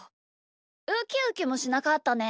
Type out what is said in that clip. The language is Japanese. ウキウキもしなかったね。